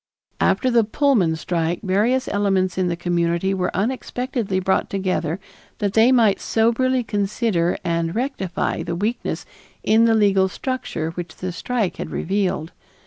After the Pullman strike various elements in the community were unexpectedly brought together that they might soberly consider and rectify the weakness in the legal structure which the strike had revealed.